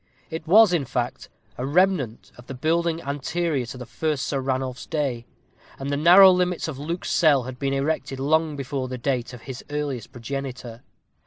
It was, in fact, a remnant of the building anterior to the first Sir Ranulph's day; and the narrow limits of Luke's cell had been erected long before the date of his earliest progenitor.